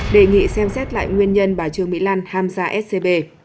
đề nghị xem xét lại nguyên nhân bà trương mỹ lan tham gia scb